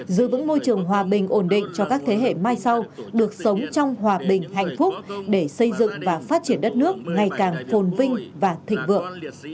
giữ vững môi trường hòa bình ổn định cho các thế hệ mai sau được sống trong hòa bình hạnh phúc để xây dựng và phát triển đất nước ngày càng phồn vinh và thịnh vượng